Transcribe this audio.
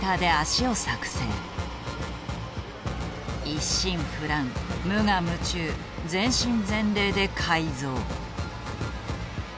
一心不乱無我夢中全身全霊で改造。